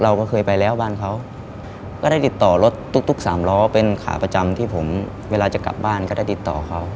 เราก็เคยไปแล้วบ้านเขาก็ได้ติดต่อรถตุ๊กสามล้อเป็นขาประจำที่ผมเวลาจะกลับบ้านก็ได้ติดต่อเขา